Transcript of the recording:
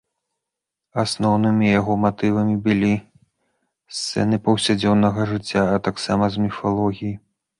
Асноўнымі яго матывамі былі сцэны паўсядзённага жыцця, а таксама з міфалогіі.